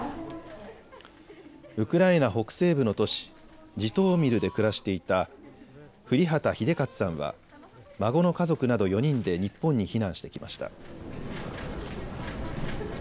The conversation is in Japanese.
ウクライナ北西部の都市、ジトーミルで暮らしていた降旗英捷さんは孫の家族など４人で日本に避難してきました。